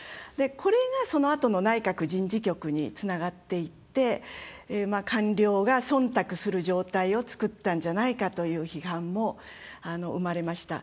これが、そのあとの内閣人事局につながっていって官僚がそんたくする状態を作ったんじゃないかという批判も生まれました。